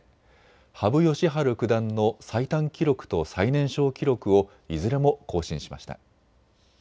羽生善治九段の最短記録と最年少記録をいずれも更新しました。